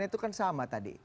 itu kan sama tadi